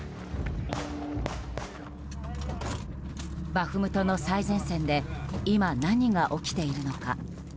バフムトの最前線で今、何が起きているのか。